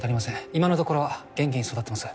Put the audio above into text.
今のところは元気に育ってます。